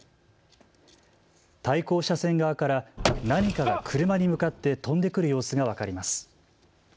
対向車線側から何かが車に向かって飛んでくる様子が分かります。